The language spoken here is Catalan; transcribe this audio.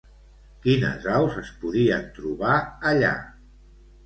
Quines aus es podien trobar, allà?